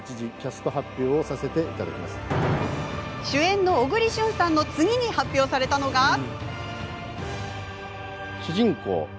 主演の小栗旬さんの次に発表されたのが！